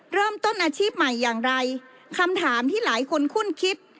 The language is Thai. เริ่มต้นอาชีพใหม่อย่างไรคำถามที่หลายคนคุ้นคิด